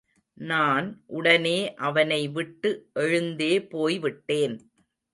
நான் உடனே அவனை விட்டு எழுந்தே போய் விட்டேன்.